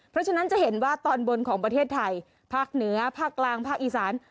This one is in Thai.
เพราะฉะนั้นจะเห็นว่าตอนบนของประเทศไทยภาคเหนือภาคกลางภาคอีสาน